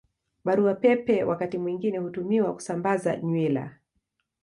Barua Pepe wakati mwingine hutumiwa kusambaza nywila.